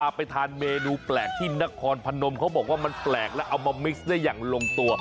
ไปทานเมนูแปลกที่นครพนมเขาบอกว่ามันแปลกแล้วเอามามิกซ์ได้อย่างลงตัว